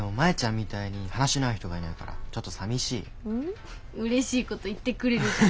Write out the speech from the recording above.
うれしいこと言ってくれるじゃん。